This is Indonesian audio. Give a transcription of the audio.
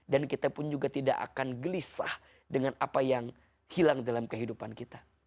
dan kita pun juga tidak akan gelisah dengan apa yang hilang dalam kehidupan kita